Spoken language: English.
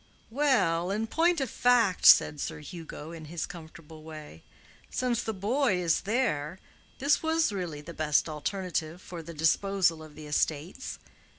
"Well, in point of fact," said Sir Hugo, in his comfortable way, "since the boy is there, this was really the best alternative for the disposal of the estates.